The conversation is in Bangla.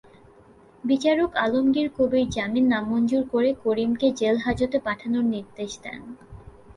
বিচারক আলমগীর কবির জামিন নামঞ্জুর করে করিমকে জেলহাজতে পাঠানোর নির্দেশ দেন।